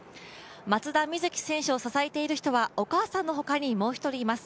松田瑞生選手を支えている人はお母さんのほかにもう一人います。